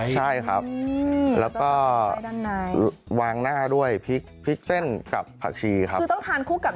ข้างบัวแห่งสันยินดีต้อนรับทุกท่านนะครับ